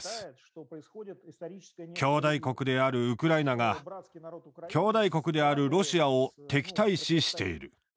兄弟国であるウクライナが兄弟国であるロシアを敵対視している。